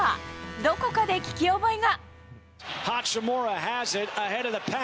どこかで聞き覚えが。